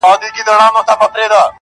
بس پرون چي می ویله -